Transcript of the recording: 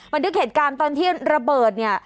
บันทึกเหตุการณ์ตอนที่ระเบิดเนี่ย